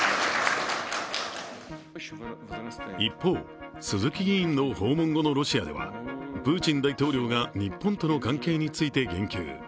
一方、鈴木議員の訪問後のロシアではプーチン大統領が日本との関係について言及。